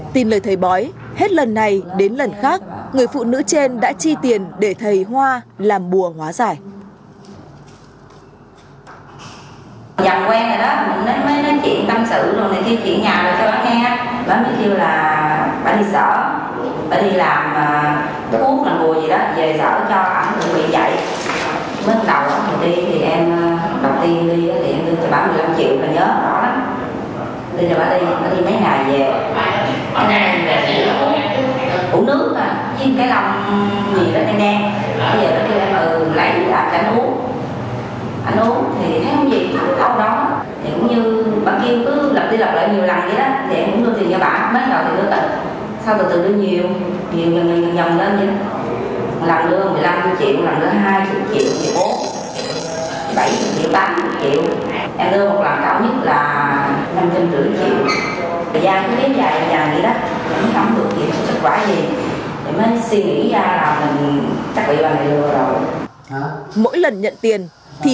tin lời thầy bói hết lần này đến lần khác người phụ nữ trên đã chi tiền để thầy hoa làm bùa hóa giải